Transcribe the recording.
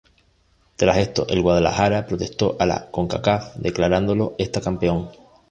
Tras esto el Guadalajara protestó a la Concacaf, declarándolo esta campeón.